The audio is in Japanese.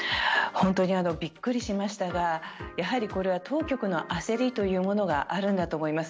本当にびっくりしましたがやはりこれは当局の焦りというものがあるんだと思います。